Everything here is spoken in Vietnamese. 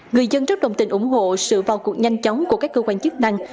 người dân rất đồng tình ủng hộ sự vào cuộc nhanh chóng của các cơ quan chức năng